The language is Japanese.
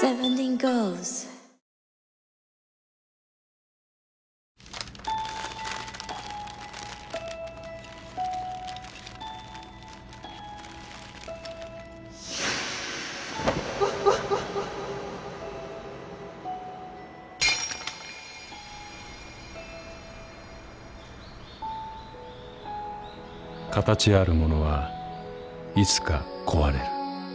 形あるものはいつか壊れる。